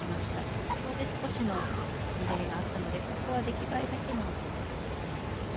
着氷で少しの乱れがあったのでここは出来栄えだけの減点になります。